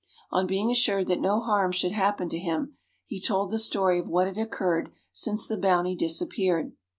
On being assured that no harm should happen to him, he told the story of what had occurred since the Bounty disappeared.